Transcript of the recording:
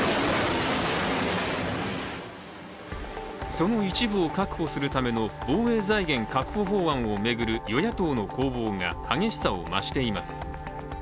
その一部を確保するための防衛財源確保法案を巡る与野党の攻防が激しさを増しています。